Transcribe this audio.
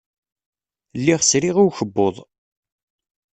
Lliɣ sriɣ i ukebbuḍ.